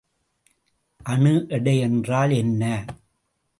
அணு எடை என்றால் என்ன?